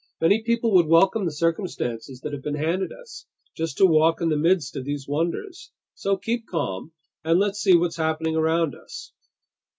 Many people would welcome the circumstances that have been handed us, just to walk in the midst of these wonders. So keep calm, and let's see what's happening around us."